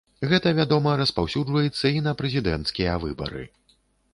Гэта, вядома, распаўсюджваецца і на прэзідэнцкія выбары.